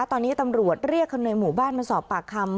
ตอนนี้ตำรวจเรียกคนในหมู่บ้านมาสอบปากคำ